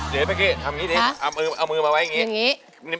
เดี๋ยวเบ็กศิษณ์ทำอย่างนี้ดิเอามือมาอย่างแบบนี้